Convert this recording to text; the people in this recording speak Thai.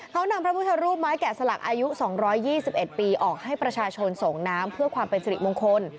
เขานำพระพุทธรูปไม้แกะสลักอายุ๒๒๑ปีออกให้ประชาชนส่งน้ำเพื่อความเป็นสิริมงคล